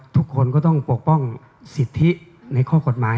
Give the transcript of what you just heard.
ทุกคนก็ต้องปกป้องสิทธิในข้อกฎหมาย